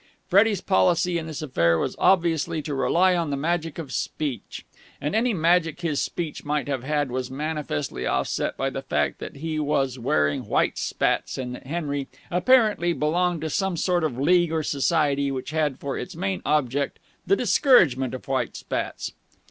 Freddie's policy in this affair was obviously to rely on the magic of speech, and any magic his speech might have had was manifestly offset by the fact that he was wearing white spats and that Henry, apparently, belonged to some sort of league or society which had for its main object the discouragement of white spats.